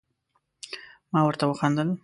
ما ورته وخندل ،